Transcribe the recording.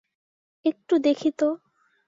একটু দেখি তো।